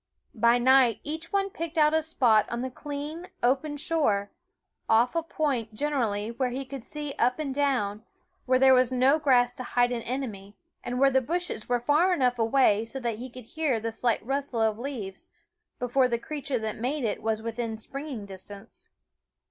By night each one picked out a spot on the clean open shore, off a point, generally, where he 5 could see up and down, where there was no grass to hide an enemy, and where the bushes were far enough away so that he could hear the slight rustle of leaves before the creature that made it was within springing distance.